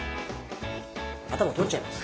頭取っちゃいます。